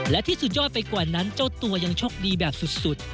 และที่สุดยอดไปกว่านั้นเจ้าตัวยังโชคดีแบบสุด